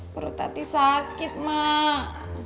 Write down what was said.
perut tati sakit mak